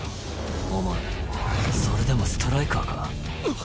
お前それでもストライカーか？